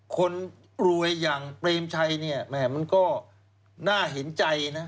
คนรวยอย่างเปรมชัยเนี่ยแหม่มันก็น่าเห็นใจนะ